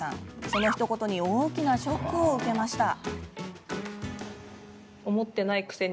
そのひと言に大きなショックを受けました。